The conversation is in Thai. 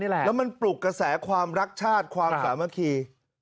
แล้วมันปลุกกระแสความรักชาติความสามัคคี